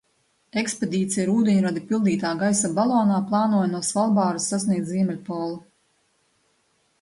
Ekspedīcija ar ūdeņradi pildītā gaisa balonā plānoja no Svalbāras sasniegt Ziemeļpolu.